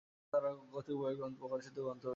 এছাড়া তার আরো কতিপয় প্রকাশিত গ্রন্থ রয়েছে।